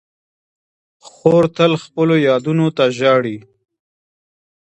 خور تل خپلو یادونو ته ژاړي.